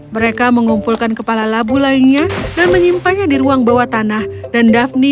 mereka mengumpulkan kepala labu lainnya dan menyimpannya di ruang bawah tanah dan daphne membuat kue labu lezat setiap hari ini